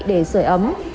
để sửa ấm